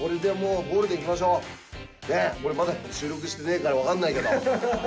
これでもう俺まだ収録してねえからわかんないけど。